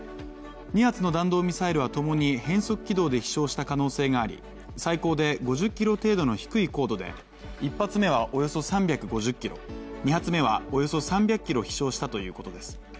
２発の弾道ミサイルはともに変則軌道で飛しょうした可能性があり、最高で５０ｋｍ程度の低い高度で、１発目はおよそ３５０ｋｍ、２発目はおよそ３００ｋｍ飛しょうしたということです。